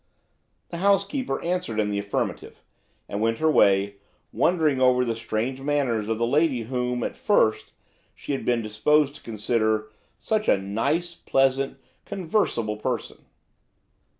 The housekeeper answered in the affirmative, and went her way, wondering over the strange manners of the lady whom, at first, she had been disposed to consider "such a nice, pleasant, conversable person!"